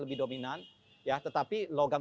lebih dominan ya tetapi logam